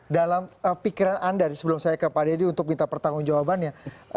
dalam pikiran anda sebelum saya ke pak dedy untuk minta pertanggung jawabannya